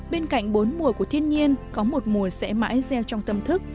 bên cạnh bốn mùa của thiên nhiên có một mùa sẽ mãi gieo trong tâm thức